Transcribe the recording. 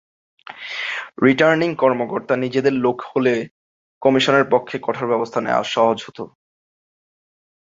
Returning কর্মকর্তা নিজেদের লোক হলে কমিশনের পক্ষে কঠোর ব্যবস্থা নেওয়া সহজ হতো।